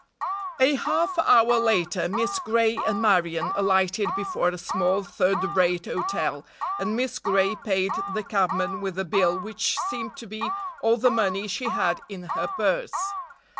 A half hour later Miss Gray and Marion alighted before a small, third rate hotel and Miss Gray paid the cabman with a bill which seemed to be all the money she had in her purse.